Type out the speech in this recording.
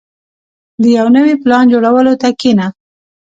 • د یو نوي پلان جوړولو ته کښېنه.